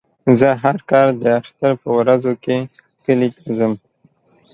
زه هر کال د اختر په ورځو کې کلي ته ځم.